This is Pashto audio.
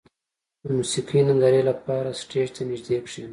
• د موسیقۍ نندارې لپاره د سټېج ته نږدې کښېنه.